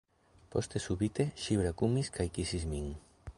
Poste subite ŝi brakumis kaj kisis min.